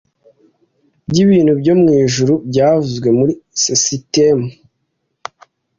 byibintu byo mwijuru byavuzwe muri sisitemu